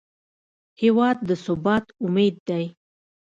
هېواد د ثبات امید دی.